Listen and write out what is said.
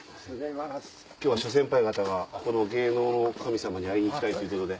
今日は諸先輩方が芸能の神様に会いに来たいということで。